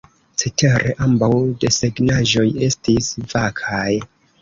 Cetere ambaŭ desegnaĵoj estis vakaj.